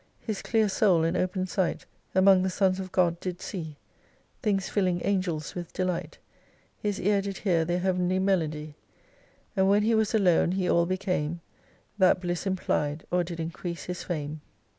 His clear soul and open sight Among the Sons of God did see Things filling Angels with delight : His ear did hear their heavenly melody, And when he was alone he all became That Bliss implied, or did increase his fame.